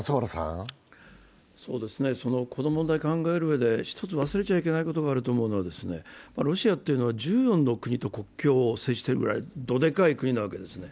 この問題を考えるうえで忘れちゃいけないことがあるのはロシアというのは１４の国と国境を接しているくらいどでかい国な分けてすね。